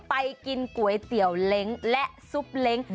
ไปกินก๋วยเตี๋ยวเล้งและซุปเล้ง